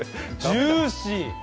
ジューシー！